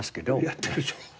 やってるでしょ。